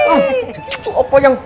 itu apa yang